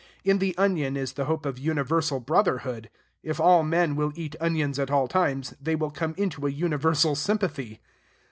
In the onion is the hope of universal brotherhood. If all men will eat onions at all times, they will come into a universal sympathy.